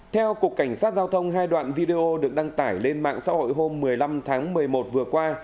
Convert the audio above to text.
theo cục cảnh sát giao thông hai đoạn video được đăng tải lên mạng xã hội hôm một mươi năm tháng một mươi một vừa qua